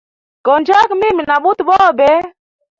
Go njyaga mimi na buti bobe.